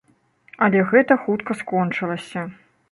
Але гэта хутка скончылася.